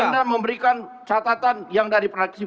anda memberikan catatan yang dari fraksi pks